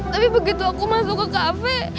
tapi begitu aku masuk ke cafe